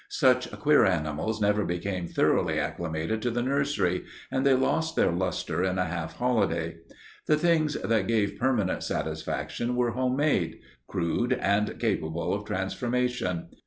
Such queer animals never became thoroughly acclimated to the nursery, and they lost their lustre in a half holiday. The things that gave permanent satisfaction were home made, crude and capable of transformation.